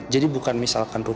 jadi bukan misalnya